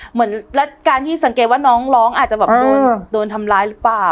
เหมือนและการที่สังเกตว่าน้องร้องอาจจะแบบโดนทำร้ายหรือเปล่า